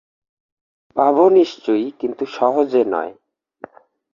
পাব নিশ্চয়ই, কিন্তু সহজে নয়।